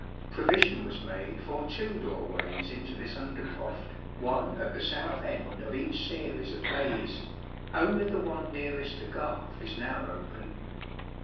Provision was made for two doorways into this under croft, one at the south end of each series of bays ; only the one nearest the garth is now open.